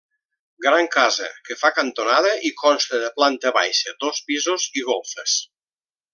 Gran casa que fa cantonada i consta de planta baixa, dos pisos i golfes.